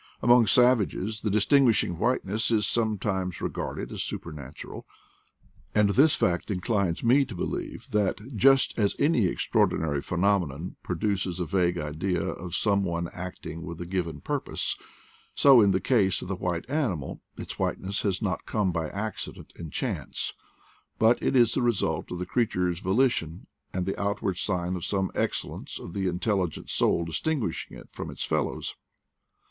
Among savages the distinguishing whiteness is sometimes regarded as supernatural: and this fact inclines me to believe that, just as any extraordinary phe nomenon produces a vague idea of some one act ing with a given purpose, so in the case of the white animal, its whiteness has not come by acci 4 dent and chance, but is the result of the creature's volition and the outward sign of some excellence of the intelligent soul distinguishing it from its fellows.